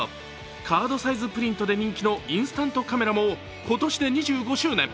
カードサイズプリントで人気のインスタントカメラも今年で２５周年。